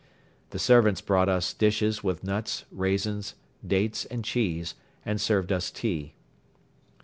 The servants brought us dishes with nuts, raisins, dates and cheese and served us tea.